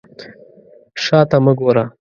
شا ته مه ګوره.